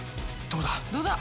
どうだ？